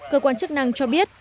cơ quan chức năng cho biết